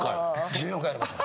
１４回やりました。